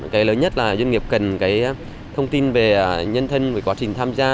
cái lớn nhất là doanh nghiệp cần cái thông tin về nhân thân về quá trình tham gia